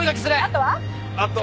あとは？